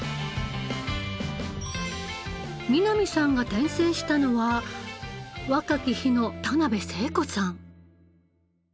南さんが転生したのは若き日の田辺聖子さん。